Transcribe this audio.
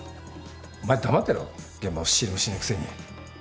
お前は黙ってろ現場を知りもしないくせに。